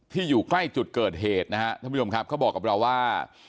อยู่ใกล้จุดเกิดเหตุนะฮะท่านผู้ชมครับเขาบอกกับเราว่า